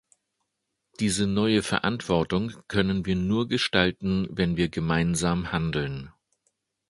Diese neue Verantwortung können wir nur gestalten, wenn wir gemeinsam handeln.